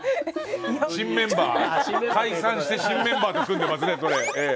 新メンバー？解散して新メンバーと組んでますね。